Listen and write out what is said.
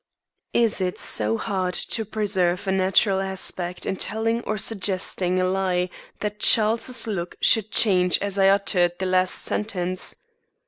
Is it so hard to preserve a natural aspect in telling or suggesting a lie that Charles's look should change as I uttered the last sentence?